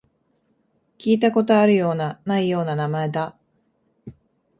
聞いたことあるような、ないような名前だ